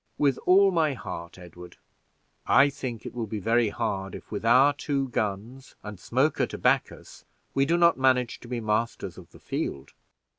"With all my heart, Edward; I think it will be very hard if, with our two guns and Smoker to back us, we do not manage to be masters of the field.